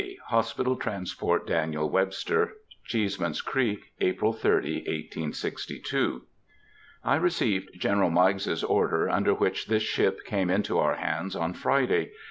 Hospital Transport Daniel Webster, Cheeseman's Creek, April 30, 1862. I received General Meigs's order under which this ship came into our hands on Friday.